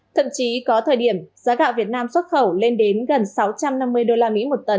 thậm chí có thời điểm giá gạo việt nam xuất khẩu lên đến gần sáu trăm năm mươi usd một tấn